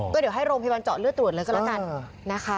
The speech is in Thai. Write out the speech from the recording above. ก็เดี๋ยวให้โรงพยาบาลเจาะเลือดตรวจเลยก็แล้วกันนะคะ